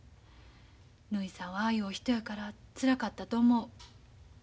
ぬひさんはああいうお人やからつらかったと思う。